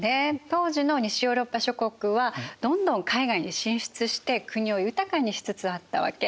当時の西ヨーロッパ諸国はどんどん海外に進出して国を豊かにしつつあったわけ。